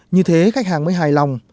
như thế khách hàng mới hài lòng